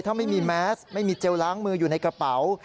ถ้าไม่มีแมสไม่มีเจลล้างมืออยู่ในกระเป๋า